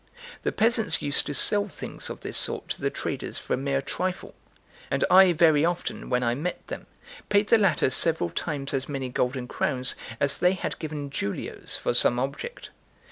The peasants used to sell things of this sort to the traders for a mere trifle; and I very often, when I met them, paid the latter several times as many golden crowns as they had given giulios for some object.